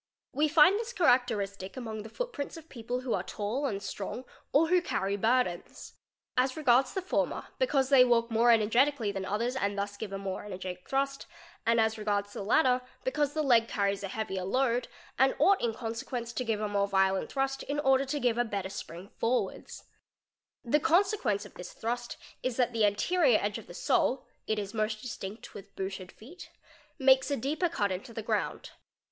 We find this characteristi among the footprints of people who are tall and strong or who carr burdens. As regards the former, because they walk more energeticall than others and thus give a more energetic thrust; and as regards tk latter because the leg carries a heavier load, and ought in consequen to give a more violent thrust in order to give a better spring forward The consequence of this thrust is that the anterior edge of the sole (it most distinet with booted feet) makes a deeper cut into the ground.